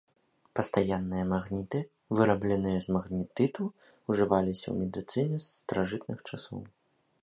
Пастаянныя магніты, вырабленыя з магнетыту, ўжываліся ў медыцыне з старажытных часоў.